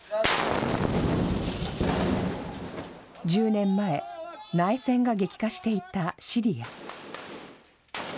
１０年前、内戦が激化していたシリア。